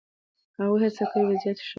هغوی هڅه کوي وضعیت ښه کړي.